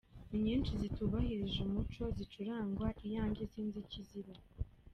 Ni nyinshi zitubahirije umuco zicurangwa, iyanjye sinzi icyo izira.